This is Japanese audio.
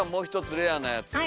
レアなやつ。